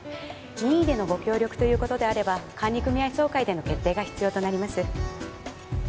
任意でのご協力ということであれば管理組合総会での決定が必要となります